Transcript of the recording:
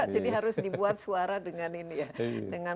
jadi harus dibuat suara dengan